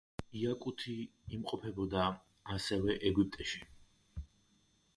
იაკუთი იმყოფებოდა ასევე ეგვიპტეში.